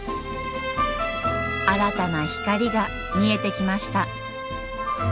新たな光が見えてきました。